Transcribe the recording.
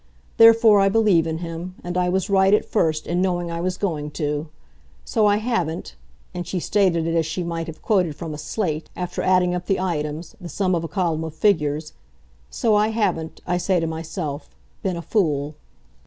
Therefore I believe in him, and I was right, at first, in knowing I was going to. So I haven't" and she stated it as she might have quoted from a slate, after adding up the items, the sum of a column of figures "so I haven't, I say to myself, been a fool."